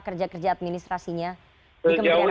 kerja kerja administrasinya di kementerian agama